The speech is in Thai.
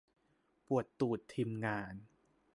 ปวดตูด ทีมงาน